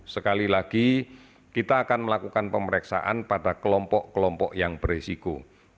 sekali lagi kita akan melakukan pemeriksaan pada kelompok kelompok yang beresiko